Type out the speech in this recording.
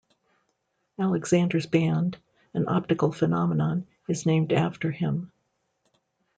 Alexander's band, an optical phenomenon, is named after him.